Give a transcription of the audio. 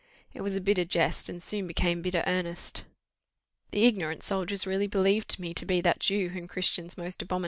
It was a bitter jest, and soon became bitter earnest. "The ignorant soldiers really believed me to be that Jew whom Christians most abominate.